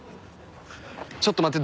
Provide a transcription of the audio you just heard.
ちょっと待って。